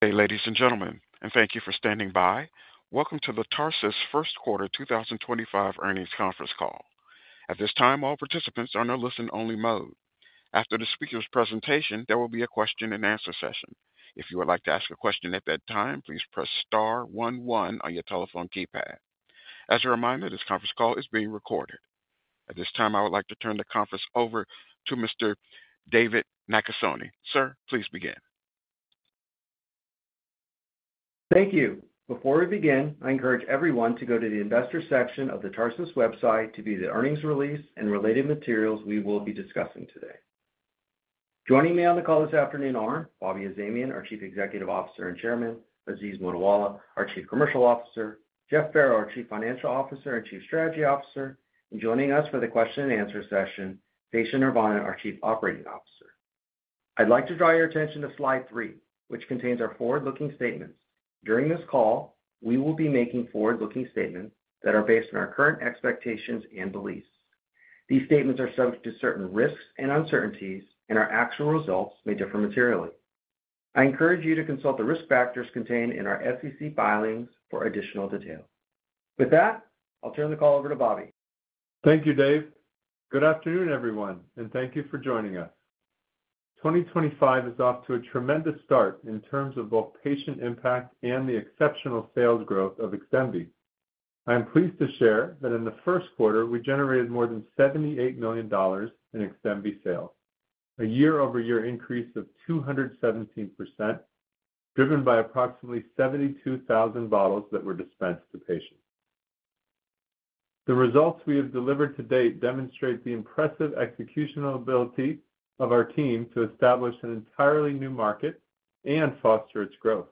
Okay, ladies and gentlemen, and thank you for standing by. Welcome to the Tarsus Q1 2025 earnings conference call. At this time, all participants are in a listen-only mode. After the speaker's presentation, there will be a question-and-answer session. If you would like to ask a question at that time, please press star one one on your telephone keypad. As a reminder, this conference call is being recorded. At this time, I would like to turn the conference over to Mr. David Nakasone. Sir, please begin. Thank you. Before we begin, I encourage everyone to go to the investor section of the Tarsus website to view the earnings release and related materials we will be discussing today. Joining me on the call this afternoon are Bobby Azamian, our Chief Executive Officer and Chairman; Aziz Mottiwala, our Chief Commercial Officer; Jeff Farrow, our Chief Financial Officer and Chief Strategy Officer; and joining us for the question-and-answer session, Seshadri Neervannan, our Chief Operating Officer. I'd like to draw your attention to Slide 3, which contains our forward-looking statements. During this call, we will be making forward-looking statements that are based on our current expectations and beliefs. These statements are subject to certain risks and uncertainties, and our actual results may differ materially. I encourage you to consult the risk factors contained in our SEC filings for additional detail. With that, I'll turn the call over to Bobby. Thank you, Dave. Good afternoon, everyone, and thank you for joining us. 2025 is off to a tremendous start in terms of both patient impact and the exceptional sales growth of XDEMVY. I'm pleased to share that in the Q1, we generated more than $78 million in XDEMVY sales, a year-over-year increase of 217%, driven by approximately 72,000 bottles that were dispensed to patients. The results we have delivered to date demonstrate the impressive execution ability of our team to establish an entirely new market and foster its growth.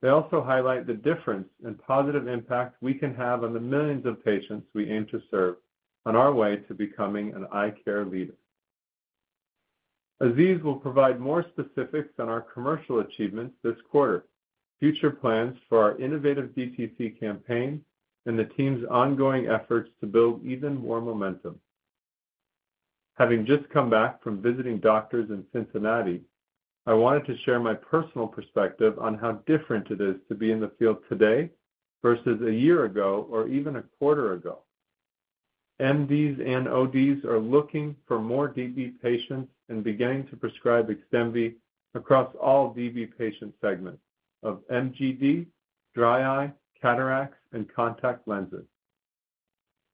They also highlight the difference and positive impact we can have on the millions of patients we aim to serve on our way to becoming an eye care leader. Aziz will provide more specifics on our commercial achievements this quarter, future plans for our innovative DTC campaign, and the team's ongoing efforts to build even more momentum. Having just come back from visiting doctors in Cincinnati, I wanted to share my personal perspective on how different it is to be in the field today versus a year ago or even a quarter ago. MDs and ODs are looking for more DB patients and beginning to prescribe XDEMVY across all DB patient segments of MGD, dry eye, cataracts, and contact lenses.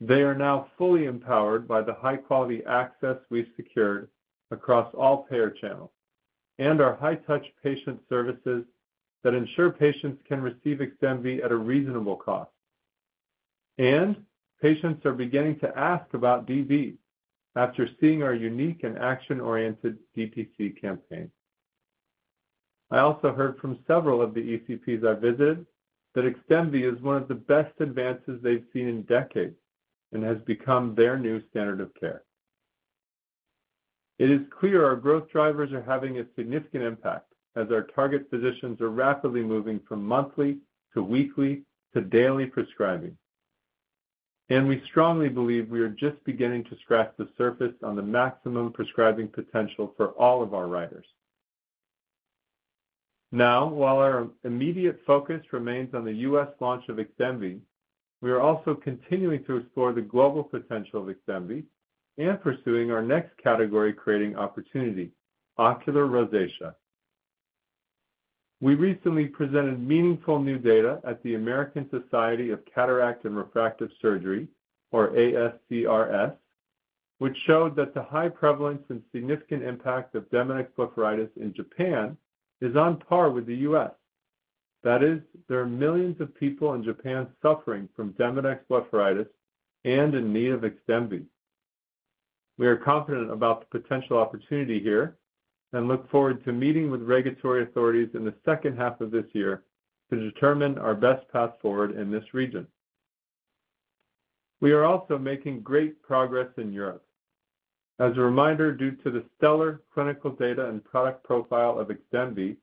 They are now fully empowered by the high-quality access we've secured across all payer channels and our high-touch patient services that ensure patients can receive XDEMVY at a reasonable cost. Patients are beginning to ask about DB after seeing our unique and action-oriented DTC campaign. I also heard from several of the ECPs I visited that XDEMVY is one of the best advances they've seen in decades and has become their new standard of care. It is clear our growth drivers are having a significant impact as our target physicians are rapidly moving from monthly to weekly to daily prescribing. We strongly believe we are just beginning to scratch the surface on the maximum prescribing potential for all of our writers. While our immediate focus remains on the U.S. launch of XDEMVY, we are also continuing to explore the global potential of XDEMVY and pursuing our next category-creating opportunity, ocular rosacea. We recently presented meaningful new data at the American Society of Cataract and Refractive Surgery, or ASCRS, which showed that the high prevalence and significant impact of Demodex blepharitis in Japan is on par with the U.S. That is, there are millions of people in Japan suffering from Demodex blepharitis and in need of XDEMVY. We are confident about the potential opportunity here and look forward to meeting with regulatory authorities in the second half of this year to determine our best path forward in this region. We are also making great progress in Europe. As a reminder, due to the stellar clinical data and product profile of XDEMVY,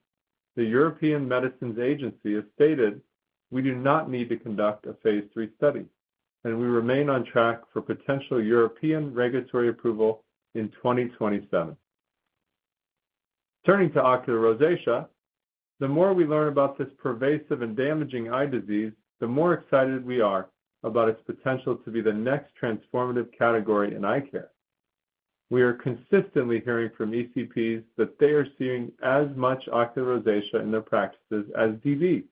the European Medicines Agency has stated we do not need to conduct a Phase 3 study, and we remain on track for potential European regulatory approval in 2027. Turning to ocular rosacea, the more we learn about this pervasive and damaging eye disease, the more excited we are about its potential to be the next transformative category in eye care. We are consistently hearing from ECPs that they are seeing as much ocular rosacea in their practices as DB,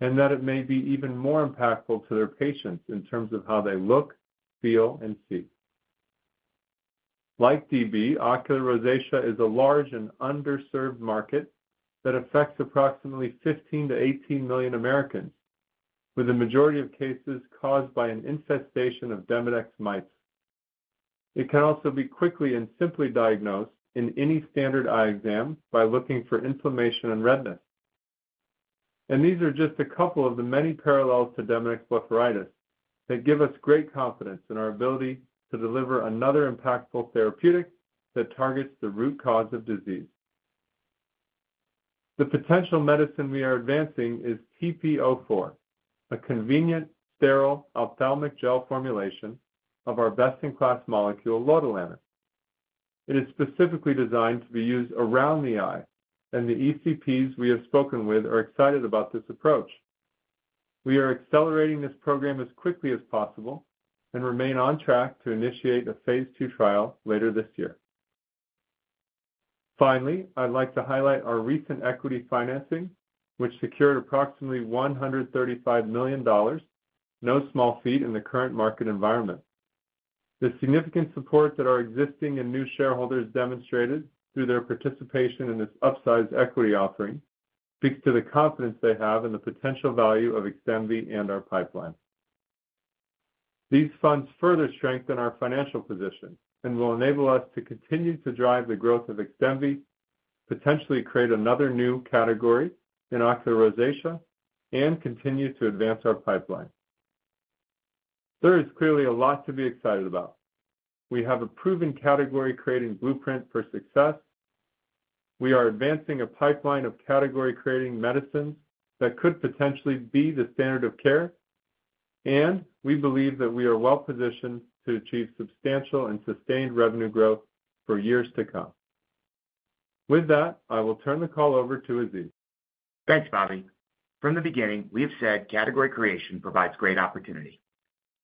and that it may be even more impactful to their patients in terms of how they look, feel, and see. Like DB, ocular rosacea is a large and underserved market that affects approximately 15-18 million Americans, with the majority of cases caused by an infestation of Demodex mites. It can also be quickly and simply diagnosed in any standard eye exam by looking for inflammation and redness. These are just a couple of the many parallels to Demodex blepharitis that give us great confidence in our ability to deliver another impactful therapeutic that targets the root cause of disease. The potential medicine we are advancing is TP-04, a convenient, sterile, ophthalmic gel formulation of our best-in-class molecule, lotilaner. It is specifically designed to be used around the eye, and the ECPs we have spoken with are excited about this approach. We are accelerating this program as quickly as possible and remain on track to initiate a Phase 2 trial later this year. Finally, I'd like to highlight our recent equity financing, which secured approximately $135 million, no small feat in the current market environment. The significant support that our existing and new shareholders demonstrated through their participation in this upsized equity offering speaks to the confidence they have in the potential value of XDEMVY and our pipeline. These funds further strengthen our financial position and will enable us to continue to drive the growth of XDEMVY, potentially create another new category in ocular rosacea, and continue to advance our pipeline. There is clearly a lot to be excited about. We have a proven category-creating blueprint for success. We are advancing a pipeline of category-creating medicines that could potentially be the standard of care, and we believe that we are well positioned to achieve substantial and sustained revenue growth for years to come. With that, I will turn the call over to Aziz. Thanks, Bobby. From the beginning, we have said category creation provides great opportunity.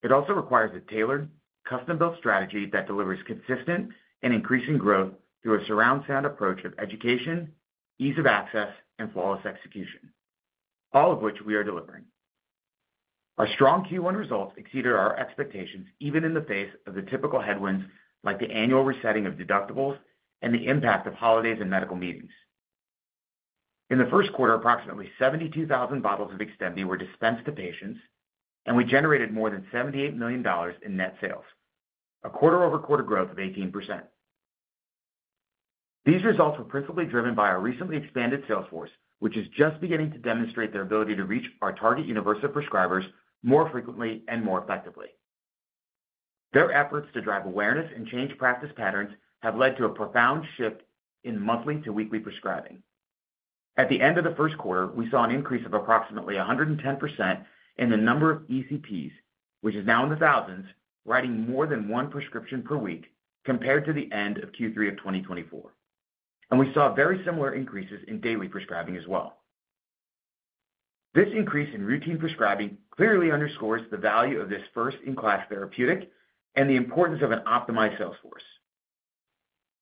It also requires a tailored, custom-built strategy that delivers consistent and increasing growth through a surround-sound approach of education, ease of access, and flawless execution, all of which we are delivering. Our strong Q1 results exceeded our expectations even in the face of the typical headwinds like the annual resetting of deductibles and the impact of holidays and medical meetings. In the Q1, approximately 72,000 bottles of XDEMVY were dispensed to patients, and we generated more than $78 million in net sales, a quarter-over-quarter growth of 18%. These results were principally driven by our recently expanded sales force, which is just beginning to demonstrate their ability to reach our target universe of prescribers more frequently and more effectively. Their efforts to drive awareness and change practice patterns have led to a profound shift in monthly to weekly prescribing. At the end of the Q1, we saw an increase of approximately 110% in the number of ECPs, which is now in the thousands, writing more than one prescription per week compared to the end of Q3 of 2024. We saw very similar increases in daily prescribing as well. This increase in routine prescribing clearly underscores the value of this first-in-class therapeutic and the importance of an optimized sales force.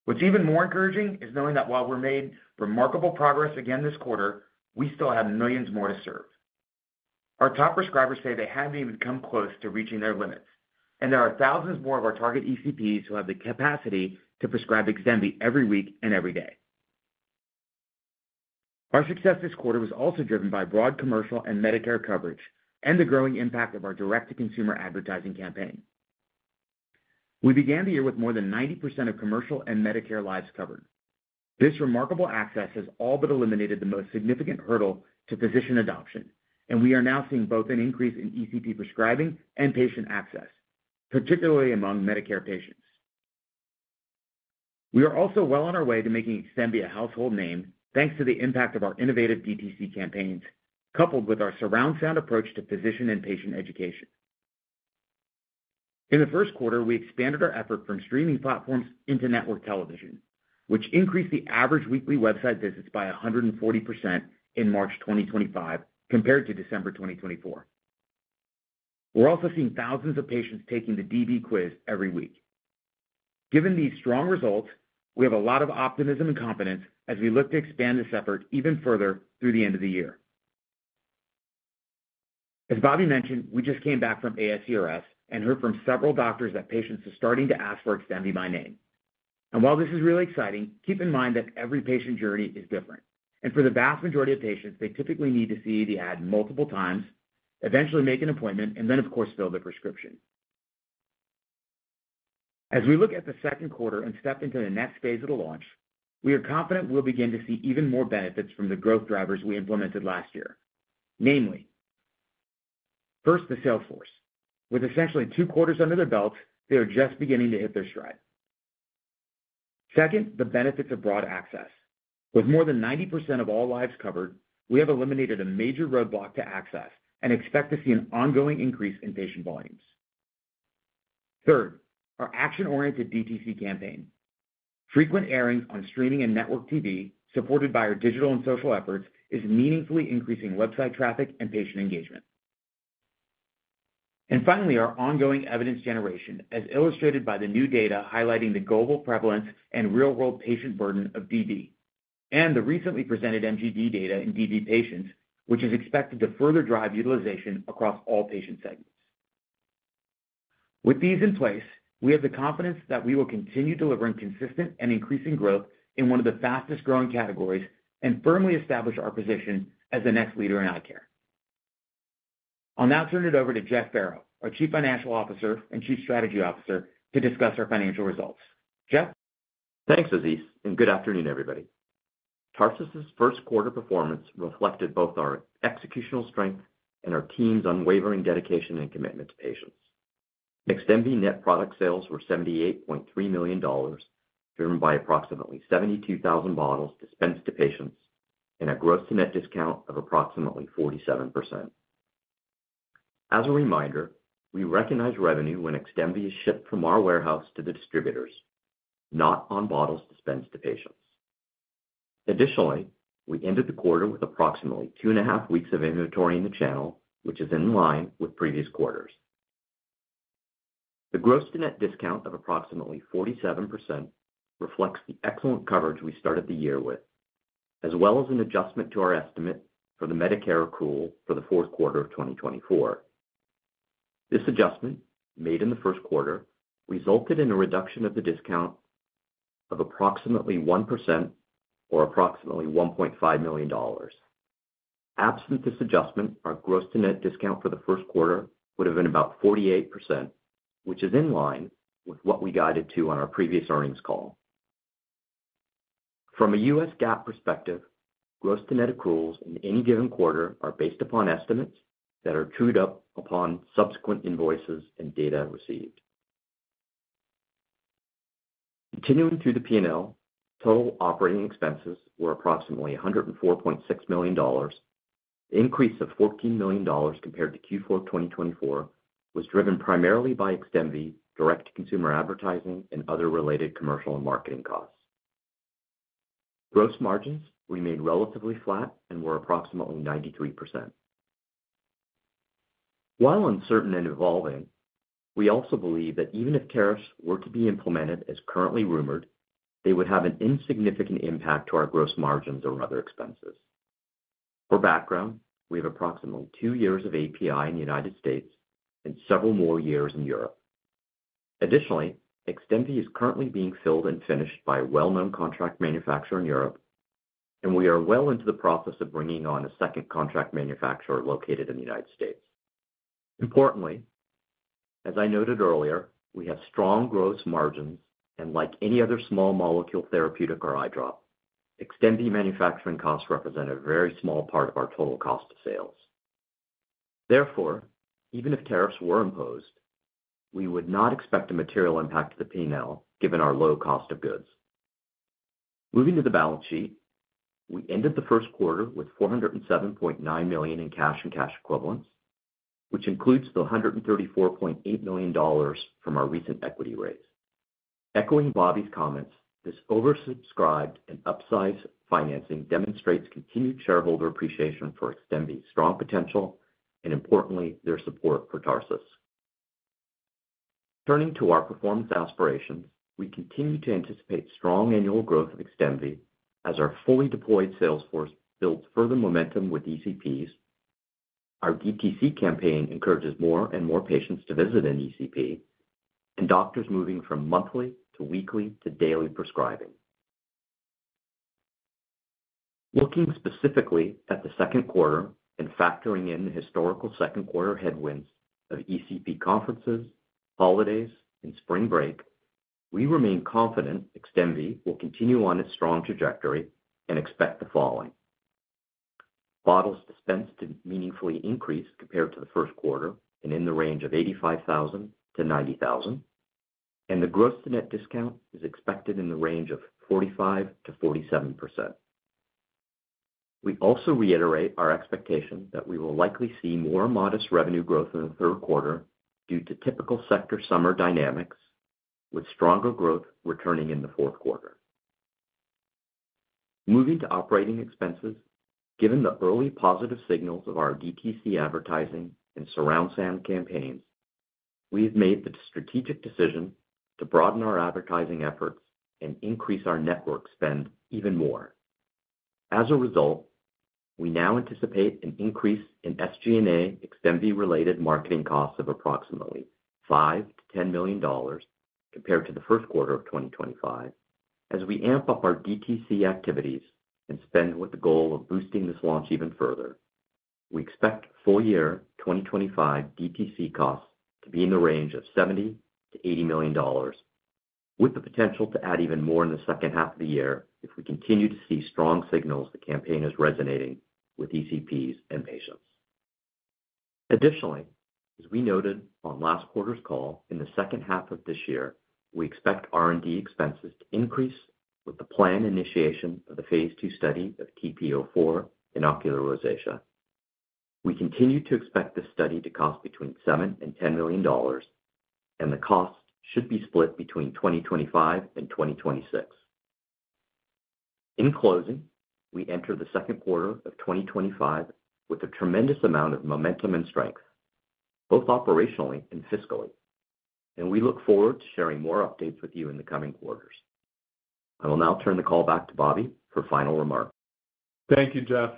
What is even more encouraging is knowing that while we are making remarkable progress again this quarter, we still have millions more to serve. Our top prescribers say they have not even come close to reaching their limits, and there are thousands more of our target ECPs who have the capacity to prescribe XDEMVY every week and every day. Our success this quarter was also driven by broad commercial and Medicare coverage and the growing impact of our direct-to-consumer advertising campaign. We began the year with more than 90% of commercial and Medicare lives covered. This remarkable access has all but eliminated the most significant hurdle to physician adoption, and we are now seeing both an increase in ECP prescribing and patient access, particularly among Medicare patients. We are also well on our way to making XDEMVY a household name thanks to the impact of our innovative DTC campaigns, coupled with our surround-sound approach to physician and patient education. In the Q1, we expanded our effort from streaming platforms into network television, which increased the average weekly website visits by 140% in March 2025 compared to December 2024. We're also seeing thousands of patients taking the DB quiz every week. Given these strong results, we have a lot of optimism and confidence as we look to expand this effort even further through the end of the year. As Bobby mentioned, we just came back from ASCRS and heard from several doctors that patients are starting to ask for XDEMVY by name. This is really exciting. Keep in mind that every patient journey is different. For the vast majority of patients, they typically need to see the ad multiple times, eventually make an appointment, and then, of course, fill the prescription. As we look at the Q2 and step into the next phase of the launch, we are confident we'll begin to see even more benefits from the growth drivers we implemented last year, namely, first, the sales force. With essentially two quarters under their belts, they are just beginning to hit their stride. Second, the benefits of broad access. With more than 90% of all lives covered, we have eliminated a major roadblock to access and expect to see an ongoing increase in patient volumes. Third, our action-oriented DTC campaign. Frequent airings on streaming and network TV, supported by our digital and social efforts, are meaningfully increasing website traffic and patient engagement. Finally, our ongoing evidence generation, as illustrated by the new data highlighting the global prevalence and real-world patient burden of DB, and the recently presented MGD data in DB patients, which is expected to further drive utilization across all patient segments. With these in place, we have the confidence that we will continue delivering consistent and increasing growth in one of the fastest-growing categories and firmly establish our position as the next leader in eye care. I'll now turn it over to Jeff Farrow, our Chief Financial Officer and Chief Strategy Officer, to discuss our financial results. Jeff. Thanks, Aziz, and good afternoon, everybody. Tarsus's Q1 performance reflected both our executional strength and our team's unwavering dedication and commitment to patients. XDEMVY net product sales were $78.3 million, driven by approximately 72,000 bottles dispensed to patients and a gross-to-net discount of approximately 47%. As a reminder, we recognize revenue when XDEMVY is shipped from our warehouse to the distributors, not on bottles dispensed to patients. Additionally, we ended the quarter with approximately two and a half weeks of inventory in the channel, which is in line with previous quarters. The gross-to-net discount of approximately 47% reflects the excellent coverage we started the year with, as well as an adjustment to our estimate for the Medicare accrual for the Q4 of 2024. This adjustment, made in the Q1, resulted in a reduction of the discount of approximately 1% or approximately $1.5 million. Absent this adjustment, our gross-to-net discount for the Q1 would have been about 48%, which is in line with what we guided to on our previous earnings call. From a U.S. GAAP perspective, gross-to-net accruals in any given quarter are based upon estimates that are trued up upon subsequent invoices and data received. Continuing through the P&L, total operating expenses were approximately $104.6 million. The increase of $14 million compared to Q4 2024 was driven primarily by XDEMVY direct-to-consumer advertising and other related commercial and marketing costs. Gross margins remained relatively flat and were approximately 93%. While uncertain and evolving, we also believe that even if tariffs were to be implemented, as currently rumored, they would have an insignificant impact on our gross margins or other expenses. For background, we have approximately two years of API in the United States and several more years in Europe. Additionally, XDEMVY is currently being filled and finished by a well-known contract manufacturer in Europe, and we are well into the process of bringing on a second contract manufacturer located in the United States. Importantly, as I noted earlier, we have strong gross margins, and like any other small molecule therapeutic or eye drop, XDEMVY manufacturing costs represent a very small part of our total cost of sales. Therefore, even if tariffs were imposed, we would not expect a material impact to the P&L given our low cost of goods. Moving to the balance sheet, we ended the Q1 with $407.9 million in cash and cash equivalents, which includes the $134.8 million from our recent equity raise. Echoing Bobby's comments, this oversubscribed and upsized financing demonstrates continued shareholder appreciation for XDEMVY's strong potential and, importantly, their support for Tarsus. Turning to our performance aspirations, we continue to anticipate strong annual growth of XDEMVY as our fully deployed sales force builds further momentum with ECPs, our DTC campaign encourages more and more patients to visit an ECP, and doctors moving from monthly to weekly to daily prescribing. Looking specifically at the Q2 and factoring in the historical Q2 headwinds of ECP conferences, holidays, and spring break, we remain confident XDEMVY will continue on its strong trajectory and expect the following. Bottles dispensed to meaningfully increase compared to the Q1 and in the range of $85,000-$90,000, and the gross-to-net discount is expected in the range of 45%-47%. We also reiterate our expectation that we will likely see more modest revenue growth in the Q3 due to typical sector summer dynamics, with stronger growth returning in the Q4. Moving to operating expenses, given the early positive signals of our DTC advertising and surround-sound campaigns, we have made the strategic decision to broaden our advertising efforts and increase our network spend even more. As a result, we now anticipate an increase in SG&A XDEMVY-related marketing costs of approximately $5-$10 million compared to the Q1 of 2025. As we amp up our DTC activities and spend with the goal of boosting this launch even further, we expect full-year 2025 DTC costs to be in the range of $70-$80 million, with the potential to add even more in the second half of the year if we continue to see strong signals that campaign is resonating with ECPs and patients. Additionally, as we noted on last quarter's call, in the second half of this year, we expect R&D expenses to increase with the planned initiation of the Phase 2 study of TP-04 in ocular rosacea. We continue to expect this study to cost between $7 million and $10 million, and the costs should be split between 2025 and 2026. In closing, we enter the Q2 of 2025 with a tremendous amount of momentum and strength, both operationally and fiscally, and we look forward to sharing more updates with you in the coming quarters. I will now turn the call back to Bobby for final remarks. Thank you, Jeff,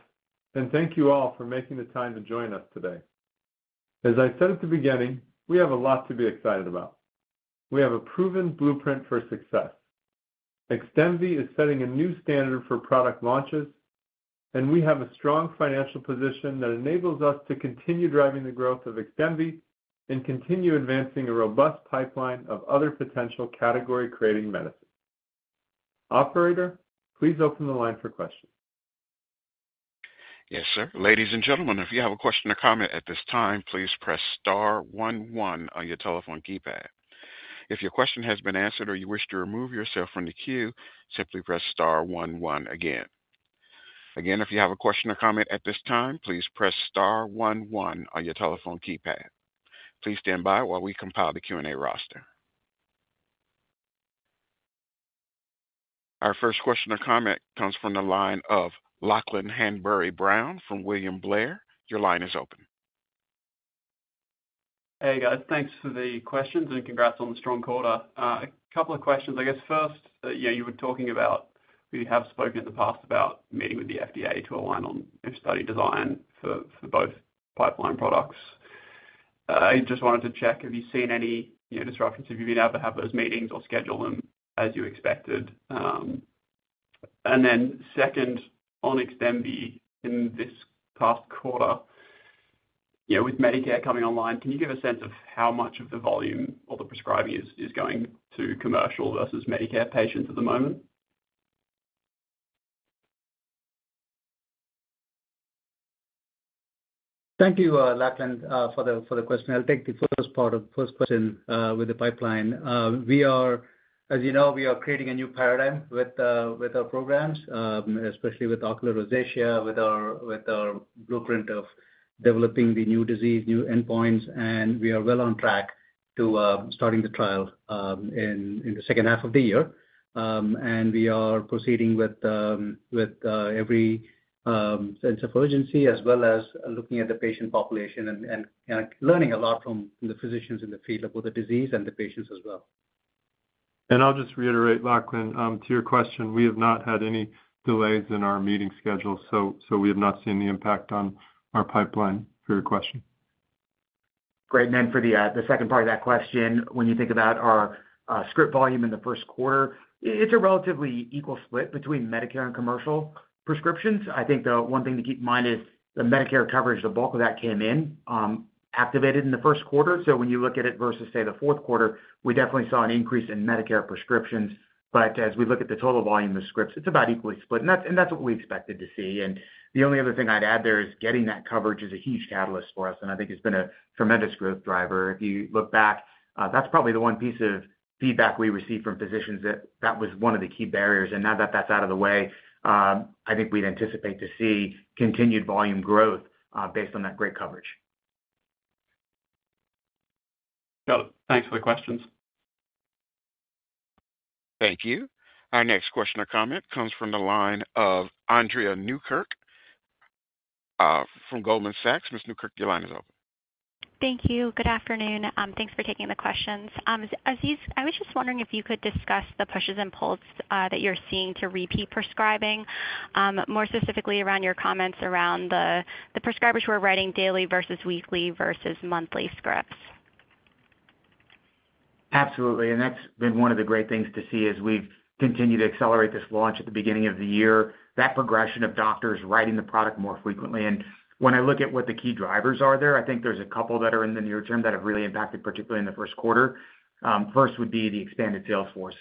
and thank you all for making the time to join us today. As I said at the beginning, we have a lot to be excited about. We have a proven blueprint for success. XDEMVY is setting a new standard for product launches, and we have a strong financial position that enables us to continue driving the growth of XDEMVY and continue advancing a robust pipeline of other potential category-creating medicines. Operator, please open the line for questions. Yes, sir. Ladies and gentlemen, if you have a question or comment at this time, please press star 11 on your telephone keypad. If your question has been answered or you wish to remove yourself from the queue, simply press star 11 again. Again, if you have a question or comment at this time, please press star 11 on your telephone keypad. Please stand by while we compile the Q&A roster. Our first question or comment comes from the line of Lachlan Hanbury-Brown from William Blair. Your line is open. Hey, guys. Thanks for the questions and congrats on the strong quarter. A couple of questions. I guess first, you were talking about, we have spoken in the past about meeting with the FDA to align on study design for both pipeline products. I just wanted to check, have you seen any disruptions? Have you been able to have those meetings or schedule them as you expected? Second, on XDEMVY in this past quarter, with Medicare coming online, can you give a sense of how much of the volume or the prescribing is going to commercial versus Medicare patients at the moment? Thank you, Lachlan, for the question. I'll take the first part of the first question with the pipeline. As you know, we are creating a new paradigm with our programs, especially with ocular rosacea, with our blueprint of developing the new disease, new endpoints, and we are well on track to starting the trial in the second half of the year. We are proceeding with every sense of urgency, as well as looking at the patient population and learning a lot from the physicians in the field of both the disease and the patients as well. I'll just reiterate, Lachlan, to your question, we have not had any delays in our meeting schedule, so we have not seen the impact on our pipeline for your question. Great. For the second part of that question, when you think about our script volume in the Q1, it is a relatively equal split between Medicare and commercial prescriptions. I think the one thing to keep in mind is the Medicare coverage, the bulk of that came in, activated in the Q1. When you look at it versus, say, the Q4, we definitely saw an increase in Medicare prescriptions. As we look at the total volume of scripts, it is about equally split. That is what we expected to see. The only other thing I would add there is getting that coverage is a huge catalyst for us. I think it has been a tremendous growth driver. If you look back, that is probably the one piece of feedback we received from physicians that that was one of the key barriers. Now that that's out of the way, I think we'd anticipate to see continued volume growth based on that great coverage. Thanks for the questions. Thank you. Our next question or comment comes from the line of Andrea Newkirk from Goldman Sachs. Ms. Newkirk, your line is open. Thank you. Good afternoon. Thanks for taking the questions. Aziz, I was just wondering if you could discuss the pushes and pulls that you're seeing to repeat prescribing, more specifically around your comments around the prescribers who are writing daily versus weekly versus monthly scripts. Absolutely. That has been one of the great things to see as we have continued to accelerate this launch at the beginning of the year, that progression of doctors writing the product more frequently. When I look at what the key drivers are there, I think there are a couple that are in the near term that have really impacted, particularly in the Q1. First would be the expanded sales force.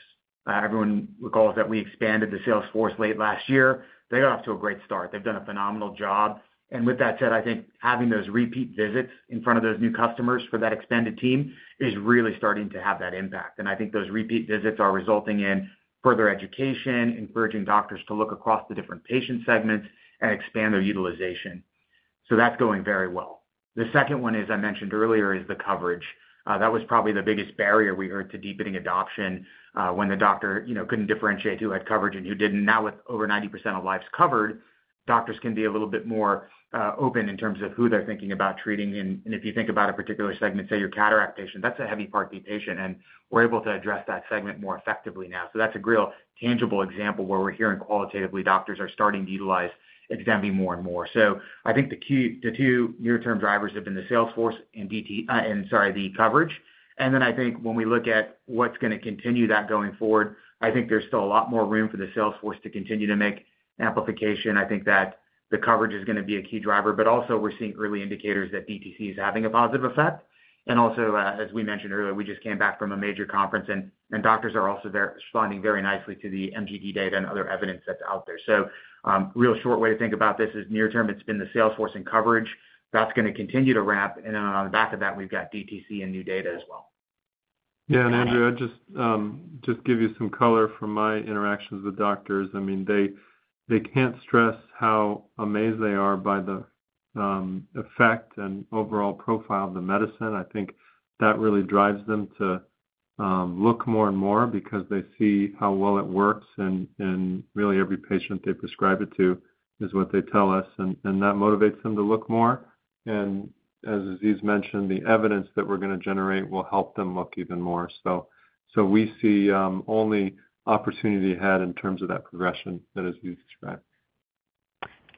Everyone recalls that we expanded the sales force late last year. They got off to a great start. They have done a phenomenal job. With that said, I think having those repeat visits in front of those new customers for that expanded team is really starting to have that impact. I think those repeat visits are resulting in further education, encouraging doctors to look across the different patient segments and expand their utilization. That is going very well. The second one, as I mentioned earlier, is the coverage. That was probably the biggest barrier we heard to deepening adoption when the doctor could not differentiate who had coverage and who did not. Now, with over 90% of lives covered, doctors can be a little bit more open in terms of who they are thinking about treating. If you think about a particular segment, say your cataract patient, that is a heavy-party patient. We are able to address that segment more effectively now. That is a real tangible example where we are hearing qualitatively doctors are starting to utilize XDEMVY more and more. I think the two near-term drivers have been the sales force and, sorry, the coverage. I think when we look at what is going to continue that going forward, there is still a lot more room for the sales force to continue to make amplification. I think that the coverage is going to be a key driver. Also, we're seeing early indicators that DTC is having a positive effect. Also, as we mentioned earlier, we just came back from a major conference, and doctors are also responding very nicely to the MGD data and other evidence that's out there. A real short way to think about this is near-term, it's been the sales force and coverage. That's going to continue to ramp. On the back of that, we've got DTC and new data as well. Yeah. Andrea, just to give you some color from my interactions with doctors, I mean, they can't stress how amazed they are by the effect and overall profile of the medicine. I think that really drives them to look more and more because they see how well it works. Really, every patient they prescribe it to is what they tell us. That motivates them to look more. As Aziz mentioned, the evidence that we're going to generate will help them look even more. We see only opportunity ahead in terms of that progression that Aziz described.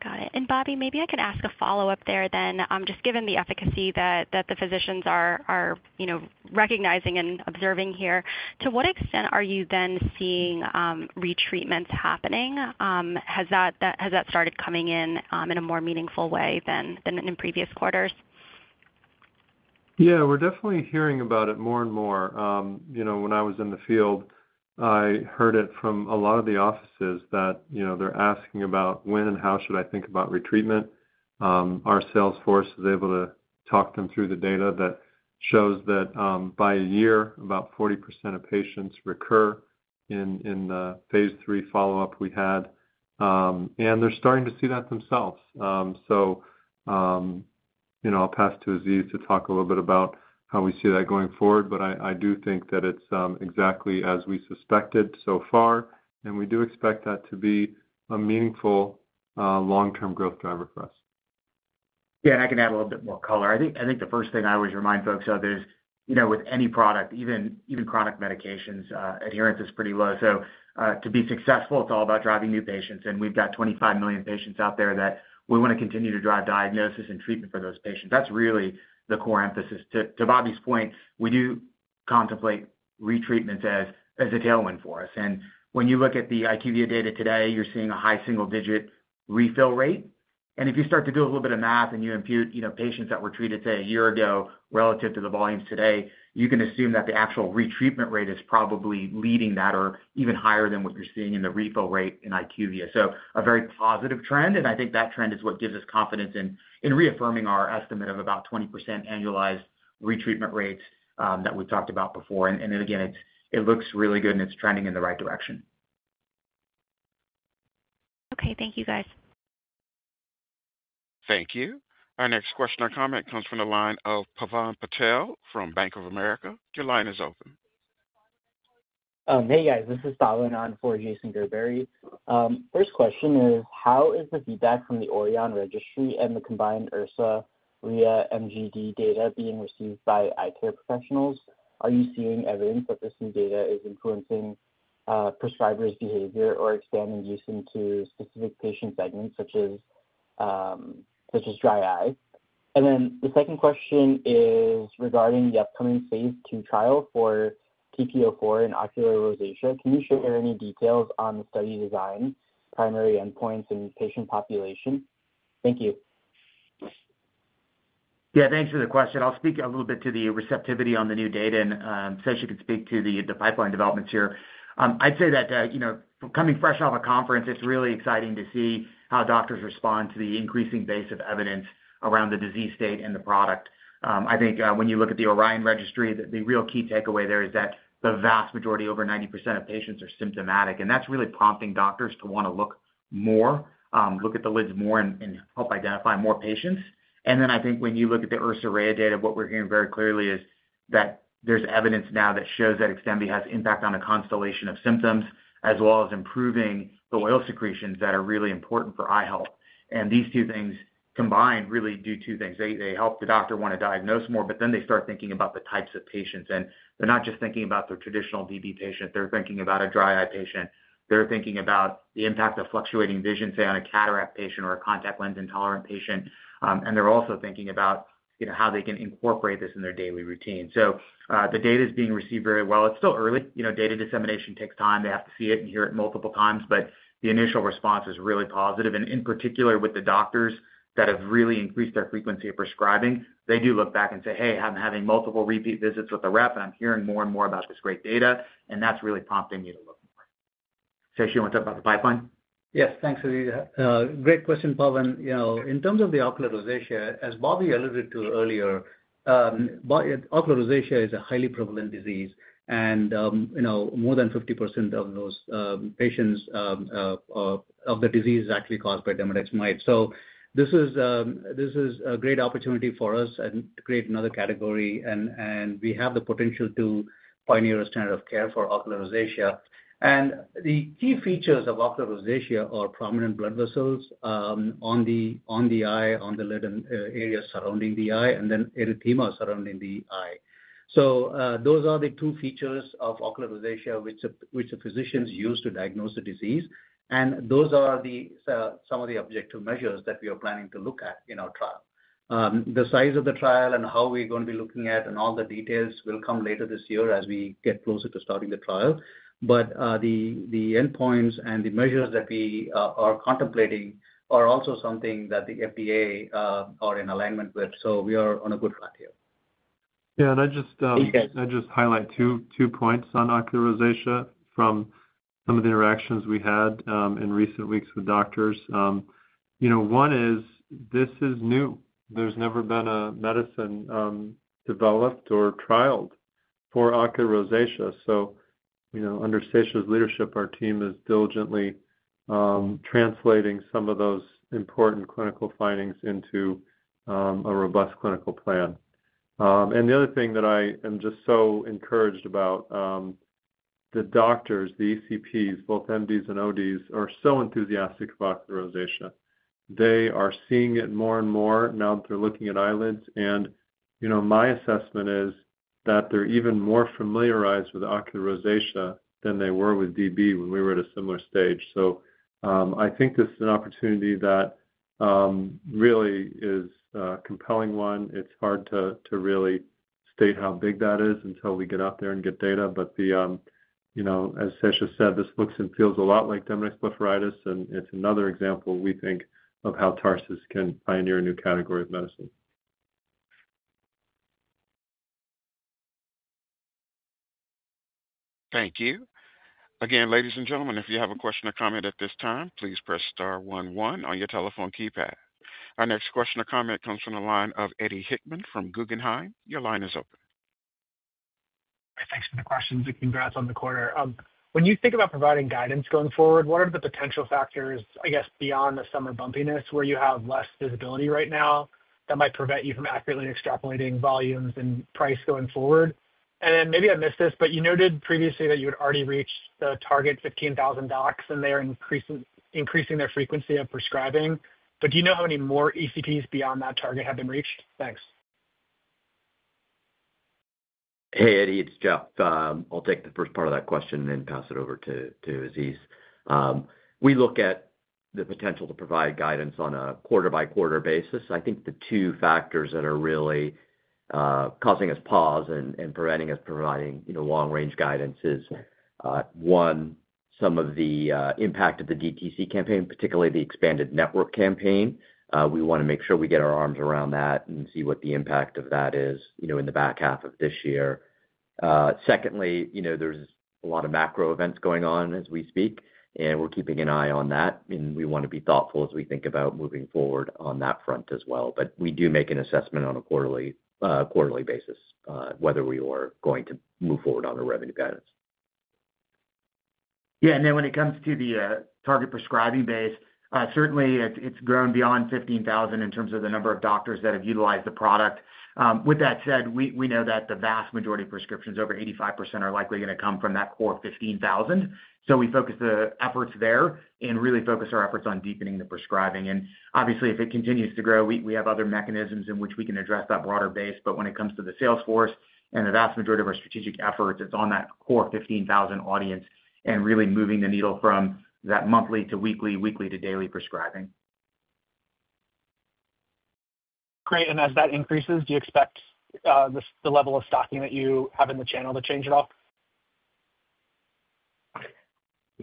Got it. Bobby, maybe I can ask a follow-up there then, just given the efficacy that the physicians are recognizing and observing here. To what extent are you then seeing retreatments happening? Has that started coming in in a more meaningful way than in previous quarters? Yeah. We're definitely hearing about it more and more. When I was in the field, I heard it from a lot of the offices that they're asking about when and how should I think about retreatment. Our sales force is able to talk them through the data that shows that by a year, about 40% of patients recur in the Phase 3 follow-up we had. They're starting to see that themselves. I'll pass to Aziz to talk a little bit about how we see that going forward. I do think that it's exactly as we suspected so far. We do expect that to be a meaningful long-term growth driver for us. Yeah. I can add a little bit more color. I think the first thing I always remind folks of is with any product, even chronic medications, adherence is pretty low. To be successful, it's all about driving new patients. We've got 25 million patients out there that we want to continue to drive diagnosis and treatment for those patients. That's really the core emphasis. To Bobby's point, we do contemplate retreatments as a tailwind for us. When you look at the IQVIA data today, you're seeing a high single-digit refill rate. If you start to do a little bit of math and you impute patients that were treated, say, a year ago relative to the volumes today, you can assume that the actual retreatment rate is probably leading that or even higher than what you're seeing in the refill rate in IQVIA. A very positive trend. I think that trend is what gives us confidence in reaffirming our estimate of about 20% annualized retreatment rates that we talked about before. Again, it looks really good, and it's trending in the right direction. Okay. Thank you, guys. Thank you. Our next question or comment comes from the line of Pavan Patel from Bank of America. Your line is open. Hey, guys. This is Salahan for Jason Gerberry. First question is, how is the feedback from the Orion Registry and the combined Ersa and Rhea, MGD data being received by eye care professionals? Are you seeing evidence that this new data is influencing prescribers' behavior or expanding use into specific patient segments, such as dry eye? The second question is regarding the upcoming Phase 2 trial for TP-04 in ocular rosacea. Can you share any details on the study design, primary endpoints, and patient population? Thank you. Yeah. Thanks for the question. I'll speak a little bit to the receptivity on the new data. Seshadri can speak to the pipeline developments here. I'd say that coming fresh off a conference, it's really exciting to see how doctors respond to the increasing base of evidence around the disease state and the product. I think when you look at the Orion Registry, the real key takeaway there is that the vast majority, over 90% of patients, are symptomatic. That's really prompting doctors to want to look more, look at the lids more, and help identify more patients. I think when you look at the Ersa and Rhea data, what we're hearing very clearly is that there's evidence now that shows that XDEMVY has impact on a constellation of symptoms as well as improving the oil secretions that are really important for eye health. These two things combined really do two things. They help the doctor want to diagnose more, but then they start thinking about the types of patients. They're not just thinking about the traditional DB patient. They're thinking about a dry eye patient. They're thinking about the impact of fluctuating vision, say, on a cataract patient or a contact lens intolerant patient. They're also thinking about how they can incorporate this in their daily routine. The data is being received very well. It's still early. Data dissemination takes time. They have to see it and hear it multiple times. The initial response is really positive. In particular, with the doctors that have really increased their frequency of prescribing, they do look back and say, "Hey, I'm having multiple repeat visits with the rep, and I'm hearing more and more about this great data." That's really prompting me to look more. Seshad, want to talk about the pipeline? Yes. Thanks, Aziz. Great question, Pavan. In terms of the ocular rosacea, as Bobby alluded to earlier, ocular rosacea is a highly prevalent disease. More than 50% of those patients of the disease is actually caused by Demodex mite. This is a great opportunity for us and create another category. We have the potential to pioneer a standard of care for ocular rosacea. The key features of ocular rosacea are prominent blood vessels on the eye, on the lid, and areas surrounding the eye, and then erythema surrounding the eye. Those are the two features of ocular rosacea which the physicians use to diagnose the disease. Those are some of the objective measures that we are planning to look at in our trial. The size of the trial and how we're going to be looking at it and all the details will come later this year as we get closer to starting the trial. The endpoints and the measures that we are contemplating are also something that the FDA are in alignment with. We are on a good track here. Yeah. I just highlight two points on ocular rosacea from some of the interactions we had in recent weeks with doctors. One is this is new. There's never been a medicine developed or trialed for ocular rosacea. Under Seshadri's leadership, our team is diligently translating some of those important clinical findings into a robust clinical plan. The other thing that I am just so encouraged about, the doctors, the ECPs, both MDs and ODs, are so enthusiastic about ocular rosacea. They are seeing it more and more. Now, they're looking at eyelids. My assessment is that they're even more familiarized with ocular rosacea than they were with DB when we were at a similar stage. I think this is an opportunity that really is a compelling one. It's hard to really state how big that is until we get out there and get data. As Seshad said, this looks and feels a lot like Demodex blepharitis. It is another example, we think, of how Tarsus can pioneer a new category of medicine. Thank you. Again, ladies and gentlemen, if you have a question or comment at this time, please press star 11 on your telephone keypad. Our next question or comment comes from the line of Eddie Hickman from Guggenheim. Your line is open. Thanks for the questions. Congrats on the quarter. When you think about providing guidance going forward, what are the potential factors, I guess, beyond the summer bumpiness where you have less visibility right now that might prevent you from accurately extrapolating volumes and price going forward? Maybe I missed this, but you noted previously that you had already reached the target 15,000 docs, and they are increasing their frequency of prescribing. Do you know how many more ECPs beyond that target have been reached? Thanks. Hey, Eddie, it's Jeff. I'll take the first part of that question and then pass it over to Aziz. We look at the potential to provide guidance on a quarter-by-quarter basis. I think the two factors that are really causing us pause and preventing us from providing long-range guidance is, one, some of the impact of the DTC campaign, particularly the expanded network campaign. We want to make sure we get our arms around that and see what the impact of that is in the back half of this year. Secondly, there's a lot of macro events going on as we speak, we're keeping an eye on that. We want to be thoughtful as we think about moving forward on that front as well. We do make an assessment on a quarterly basis whether we are going to move forward on the revenue guidance. Yeah. When it comes to the target prescribing base, certainly, it's grown beyond 15,000 in terms of the number of doctors that have utilized the product. With that said, we know that the vast majority of prescriptions, over 85%, are likely going to come from that core 15,000. We focus the efforts there and really focus our efforts on deepening the prescribing. Obviously, if it continues to grow, we have other mechanisms in which we can address that broader base. When it comes to the sales force and the vast majority of our strategic efforts, it's on that core 15,000 audience and really moving the needle from that monthly to weekly, weekly to daily prescribing. Great. As that increases, do you expect the level of stocking that you have in the channel to change at all?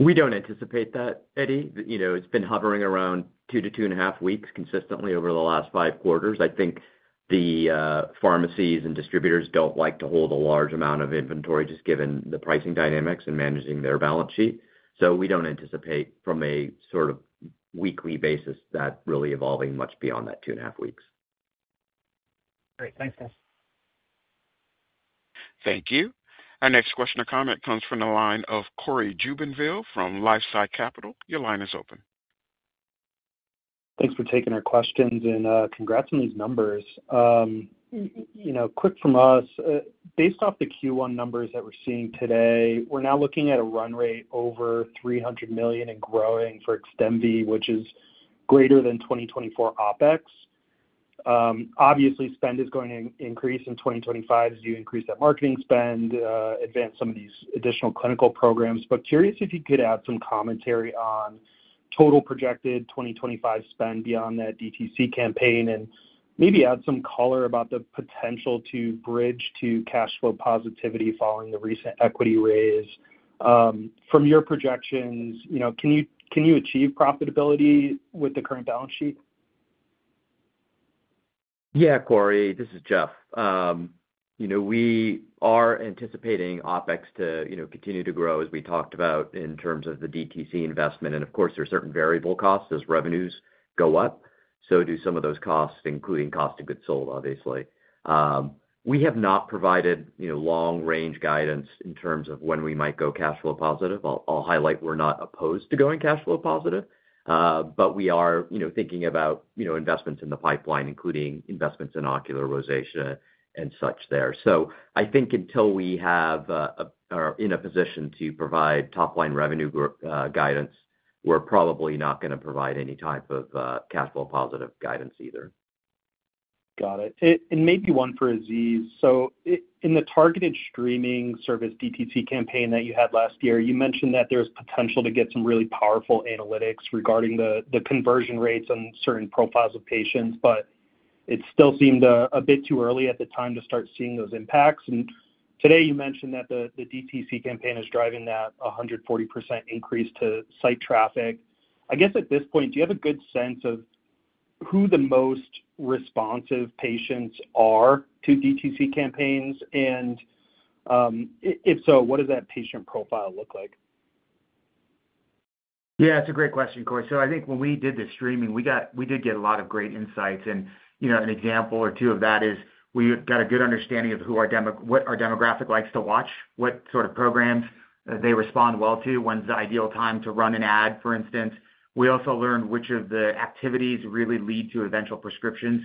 We do not anticipate that, Eddie. It has been hovering around two to two and a half weeks consistently over the last five quarters. I think the pharmacies and distributors do not like to hold a large amount of inventory just given the pricing dynamics and managing their balance sheet. We do not anticipate from a sort of weekly basis that really evolving much beyond that two and a half weeks. Great. Thanks, guys. Thank you. Our next question or comment comes from the line of Cory Jubinville from LifeSci Capital. Your line is open. Thanks for taking our questions and congrats on these numbers. Quick from us, based off the Q1 numbers that we're seeing today, we're now looking at a run rate over $300 million and growing for XDEMVY, which is greater than 2024 OpEx. Obviously, spend is going to increase in 2025 as you increase that marketing spend, advance some of these additional clinical programs. Curious if you could add some commentary on total projected 2025 spend beyond that DTC campaign and maybe add some color about the potential to bridge to cash flow positivity following the recent equity raise. From your projections, can you achieve profitability with the current balance sheet? Yeah, Cory. This is Jeff. We are anticipating OpEx to continue to grow as we talked about in terms of the DTC investment. Of course, there are certain variable costs as revenues go up. So do some of those costs, including cost of goods sold, obviously. We have not provided long-range guidance in terms of when we might go cash flow positive. I'll highlight we're not opposed to going cash flow positive, but we are thinking about investments in the pipeline, including investments in ocular rosacea and such there. I think until we are in a position to provide top-line revenue guidance, we're probably not going to provide any type of cash flow positive guidance either. Got it. Maybe one for Aziz. In the targeted streaming service DTC campaign that you had last year, you mentioned that there was potential to get some really powerful analytics regarding the conversion rates on certain profiles of patients. It still seemed a bit too early at the time to start seeing those impacts. Today, you mentioned that the DTC campaign is driving that 140% increase to site traffic. I guess at this point, do you have a good sense of who the most responsive patients are to DTC campaigns? If so, what does that patient profile look like? Yeah. It's a great question, Cory. I think when we did the streaming, we did get a lot of great insights. An example or two of that is we got a good understanding of what our demographic likes to watch, what sort of programs they respond well to, when's the ideal time to run an ad, for instance. We also learned which of the activities really lead to eventual prescription.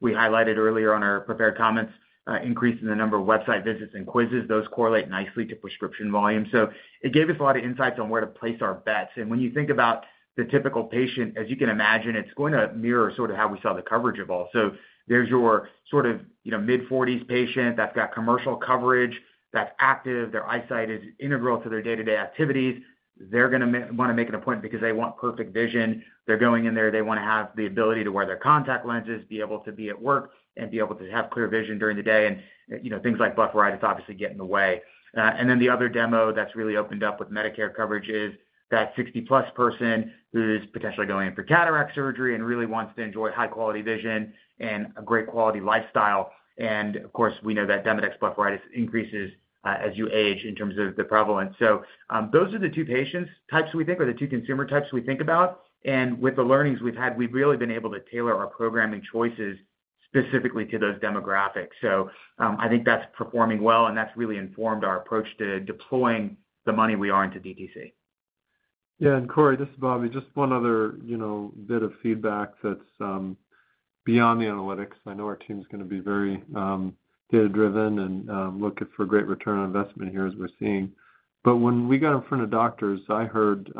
We highlighted earlier on our prepared comments increase in the number of website visits and quizzes. Those correlate nicely to prescription volume. It gave us a lot of insights on where to place our bets. When you think about the typical patient, as you can imagine, it's going to mirror sort of how we saw the coverage evolve. There's your sort of mid-40s patient that's got commercial coverage, that's active. Their eyesight is integral to their day-to-day activities. They're going to want to make an appointment because they want perfect vision. They're going in there. They want to have the ability to wear their contact lenses, be able to be at work, and be able to have clear vision during the day. Things like blepharitis obviously get in the way. The other demo that's really opened up with Medicare coverage is that 60-plus person who's potentially going in for cataract surgery and really wants to enjoy high-quality vision and a great quality lifestyle. Of course, we know that Demodex blepharitis increases as you age in terms of the prevalence. Those are the two patient types we think, or the two consumer types we think about. With the learnings we've had, we've really been able to tailor our programming choices specifically to those demographics. I think that's performing well, and that's really informed our approach to deploying the money we are into DTC. Yeah. Cory, this is Bobby. Just one other bit of feedback that's beyond the analytics. I know our team is going to be very data-driven and looking for great return on investment here as we're seeing. When we got in front of doctors, I heard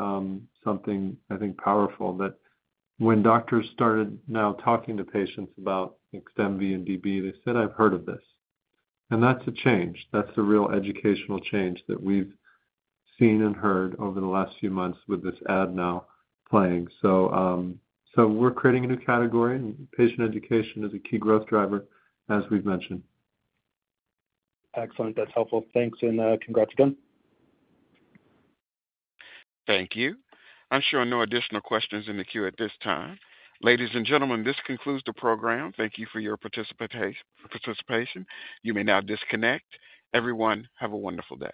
something, I think, powerful that when doctors started now talking to patients about XDEMVY and DB, they said, "I've heard of this." That's a change. That's a real educational change that we've seen and heard over the last few months with this ad now playing. We're creating a new category, and patient education is a key growth driver, as we've mentioned. Excellent. That's helpful. Thanks. Congrats again. Thank you. I'm sure no additional questions in the queue at this time. Ladies and gentlemen, this concludes the program. Thank you for your participation. You may now disconnect. Everyone, have a wonderful day.